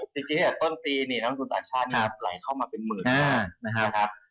จริงจากต้นปีเนี่ยต้นทุนต่างชาติเนี่ยไหลเข้ามาเป็นหมื่นนะครับ